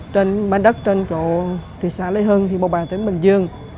trên bán đất trên chỗ thị xã lê hưng bào bàng tỉnh bình dương